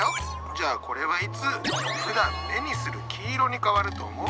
じゃあこれはいつふだん目にする黄色に変わると思う？